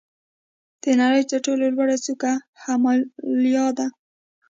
د نړۍ تر ټولو لوړه څوکه هیمالیا ده.